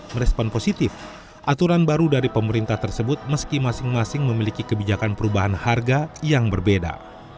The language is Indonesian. merespon positif aturan baru dari pemerintah tersebut meski masing masing memiliki kebijakan perubahan harga yang berbeda